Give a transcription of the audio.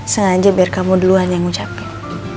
sengaja biar kamu dulu hanya ngucapin